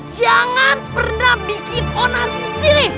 jangan pernah bikin onar disini